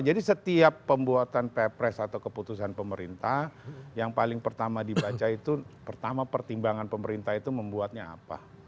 jadi setiap pembuatan pepres atau keputusan pemerintah yang paling pertama dibaca itu pertama pertimbangan pemerintah itu membuatnya apa